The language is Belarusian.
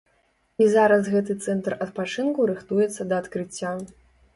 І зараз гэты цэнтр адпачынку рыхтуецца да адкрыцця.